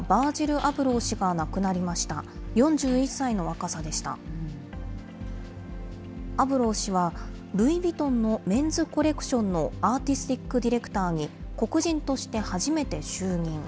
アブロー氏は、ルイ・ヴィトンのメンズコレクションのアーティスティック・ディレクターに黒人として初めて就任。